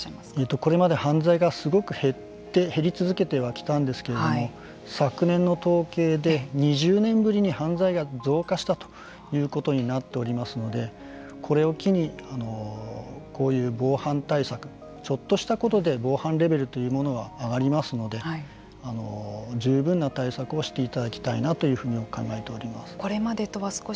これまで犯罪がすごく減り続けてきてはきたんですけれども昨年の統計では２０年ぶりに、犯罪が増加したということになっておりますのでこれを機にこういう謀判対策ちょっとしたことで、防犯レベルというものは上がりますので十分な対策をしていただきたいなというふうに考えております。